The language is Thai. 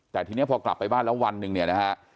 แต่ทีนี้พอกลับไปบ้านแล้ววันหนึ่งเนี่ยนะฮะ